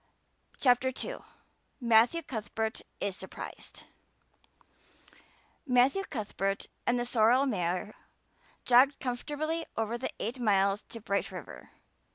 CHAPTER II. Matthew Cuthbert is surprised MATTHEW Cuthbert and the sorrel mare jogged comfortably over the eight miles to Bright River.